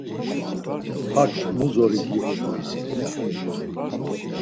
Hak mu zori giğunan?